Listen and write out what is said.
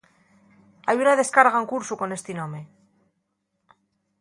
Hai una descarga en cursu con esti nome.